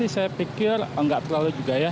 saya pikir nggak terlalu juga ya